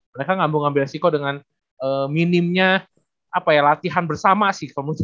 mereka gak mau ngambil resiko dengan minimnya apa ya latihan bersama sih